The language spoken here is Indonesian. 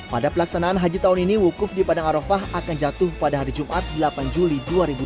pada pelaksanaan haji tahun ini wukuf di padang arofah akan jatuh pada hari jumat delapan juli dua ribu dua puluh